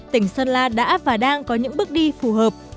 tỉnh sơn la đã và đang có những bước đi phù hợp